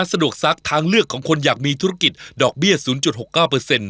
สะดวกซักทางเลือกของคนอยากมีธุรกิจดอกเบี้ยศูนย์จุดหกเก้าเปอร์เซ็นต์